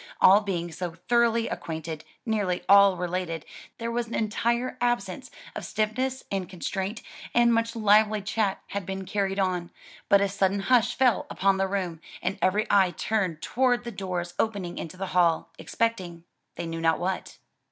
All being so thoroughly acquainted, nearly all related, there was an entire absence of stiffness and constraint, and much lively chat had been carried on; but a sudden hush fell upon them, and every eye turned toward the doors opening into the hall, expecting they knew not what.